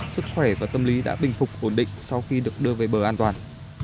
sức khỏe và tâm lý đã bình phục ổn định sau khi được đưa về bờ an toàn